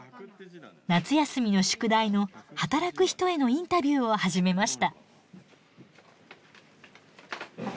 夏休みの宿題の「働く人へのインタビュー」を始めました。